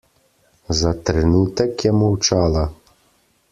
Za trenutek je molčala.